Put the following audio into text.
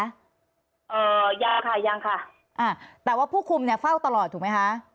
อ่ายังค่ะยังค่ะอ่าแต่ว่าผู้คุมเนี่ยเฝ้าตลอดถูกไหมคะ